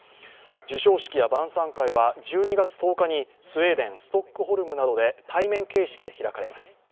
授賞式や晩さん会は１２月１０日にスウェーデン・ストックホルムなどで対面形式で開かれます。